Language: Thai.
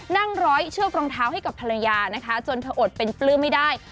ร้อยเชือกรองเท้าให้กับภรรยานะคะจนเธออดเป็นปลื้มไม่ได้